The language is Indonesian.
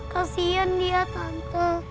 kasian dia tante